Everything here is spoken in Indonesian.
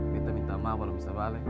kita minta maaf kalau bisa balik